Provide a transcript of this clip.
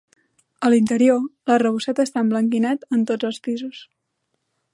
A l'interior, l'arrebossat està emblanquinat en tots els pisos.